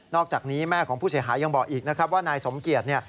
อกจากนี้แม่ของผู้เสียหายยังบอกอีกนะครับว่านายสมเกียจเนี่ย